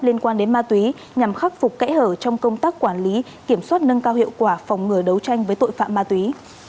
liên quan đến ma túy nhằm khắc phục kẽ hở trong công tác quản lý kiểm soát nâng cao hiệu quả phòng ngừa đấu tranh với tội phạm ma túy